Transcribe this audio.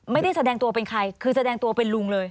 ไม่ได้แสดงตัวเป็นใครคือแสดงตัวเป็นลุงเลย